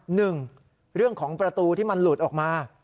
หนึ่งเรื่องของประตูที่มันหลุดออกมา